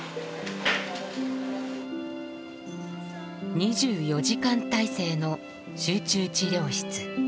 ２４時間体制の集中治療室。